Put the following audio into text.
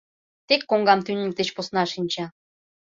Тек коҥгам тӱньык деч посна шинча.